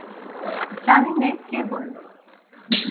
জানি নে কে বললে?